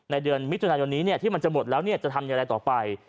เดือนมิถุนายนนี้ที่มันจะหมดแล้วจะทำอย่างไรต่อไป